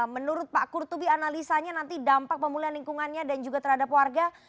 menurut pak kurtubi analisanya nanti dampak pemulihan lingkungannya dan juga terhadap warga